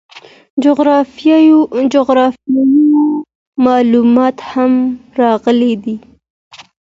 جغرافیوي معلومات هم راغلي دي.